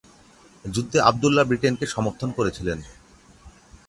যুদ্ধে আবদুল্লাহ ব্রিটেনকে সমর্থন করেছিলেন।